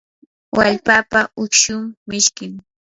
wallpapa ukshun mishkim.